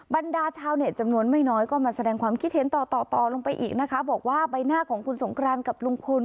บรรดาชาวเน็ตจำนวนไม่น้อยก็มาแสดงความคิดเห็นต่อต่อลงไปอีกนะคะบอกว่าใบหน้าของคุณสงครานกับลุงพล